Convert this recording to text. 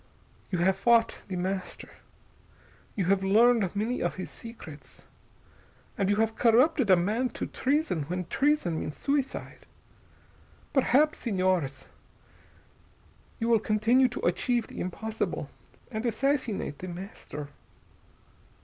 You have fought The Master, you have learned many of his secrets, and you have corrupted a man to treason when treason means suicide. Perhaps, Señores, you will continue to achieve the impossible, and assassinate The Master."